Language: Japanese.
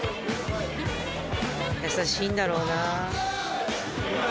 優しいんだろうな。